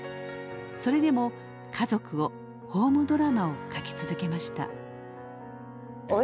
それでも家族をホームドラマを書き続けました。